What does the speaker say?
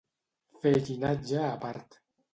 Fer llinatge a part.